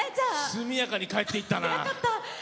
速やかに帰っていったな。